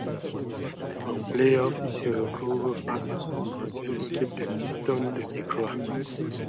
En play-offs, il se retrouve face à son ancienne équipe des Pistons de Détroit.